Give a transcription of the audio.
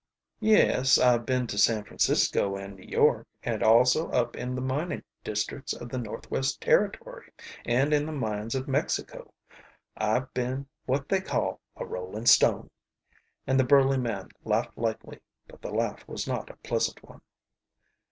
"Yes, I've been to San Francisco and to New York, and also up in the mining districts of the Northwest Territory, and in the mines of Mexico. I've been what they call a rolling stone." And the burly man laughed lightly, but the laugh was not a pleasant one.